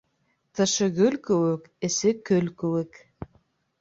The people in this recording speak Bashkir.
Тышы гөл кеүек, эсе көл кеүек.